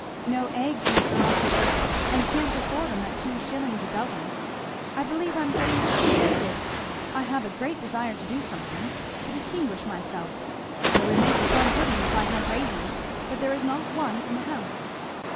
"No eggs, Mr. Rossitur, and can't afford 'em at two shillings a dozen. I believe I am getting discontented I have a great desire to do something to distinguish myself I would make a plum pudding if I had raisins, but there is not one in the house."